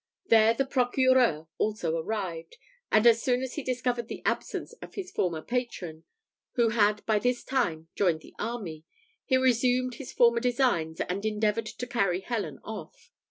There the procureur also arrived: and as soon as he discovered the absence of his former patron, who had by this time joined the army, he resumed his former designs, and endeavoured to carry Helen off.